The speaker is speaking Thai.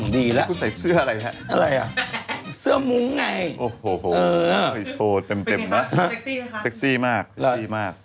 ดีและอะไรน่ะเสื้อมุ้งไงโอ้โหเต็มนะเซ็กซี่มาก